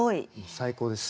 最高です。